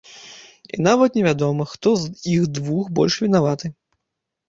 І нават невядома, хто з іх двух больш вінаваты.